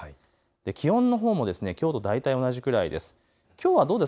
気温のほうも、きょうと大体同じくらいです。